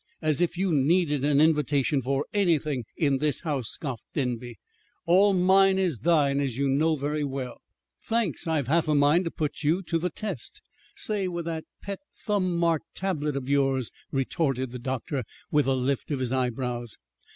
As if you needed an invitation for anything, in this house," scoffed Denby. "All mine is thine, as you know very well." "Thanks. I've half a mind to put you to the test say with that pet thumb marked tablet of yours," retorted the doctor, with a lift of his eyebrows.